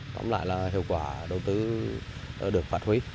tóm lại là hiệu quả đầu tư được phát huy